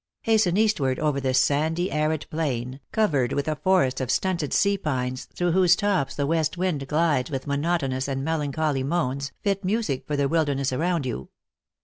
Hasten eastward over this sandy, arid plain, covered with a forest of stunted sea pines, through whose tops the west wind glides with monot onous and melancholy moans, fit music for the wilder ness around you.